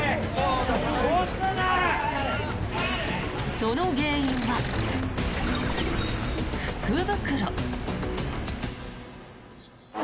その原因は福袋。